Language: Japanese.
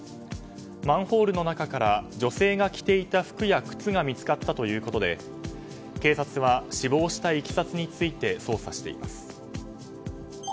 マンホールの中から女性が着ていた服や靴が見つかったということで警察は死亡したいきさつについて捜査しています。